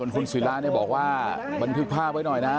คุณศิราเนี่ยบอกว่าบันทึกภาพไว้หน่อยนะ